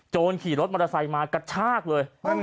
ขี่รถมอเตอร์ไซค์มากระชากเลย